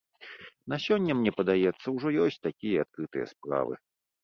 На сёння, мне падаецца, ужо ёсць такія адкрытыя справы.